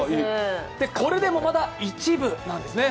これでもまだ一部なんですね。